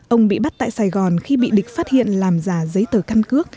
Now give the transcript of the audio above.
ông bị bắt tại sài gòn khi bị địch phát hiện làm giả giấy tờ căn cước